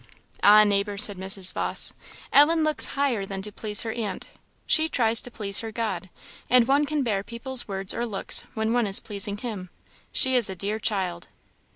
"Ah, neighbour," said Mrs.Vawse, "Ellen looks higher than to please her aunt; she tries to please her God; and one can bear people's words or looks, when one is pleasing Him. She is a dear child!"